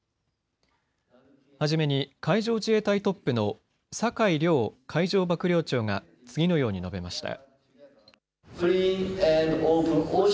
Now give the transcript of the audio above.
初めに海上自衛隊トップの酒井良海上幕僚長が次のように述べました。